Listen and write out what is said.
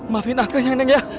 maafin aku yang neng ya